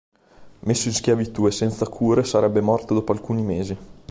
Messo in schiavitù e senza cure sarebbe morto dopo alcuni mesi.